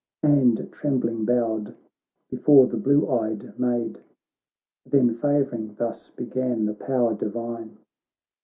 And trembling bowed before the blue eyed maid. Then favouring, thus began the power divine.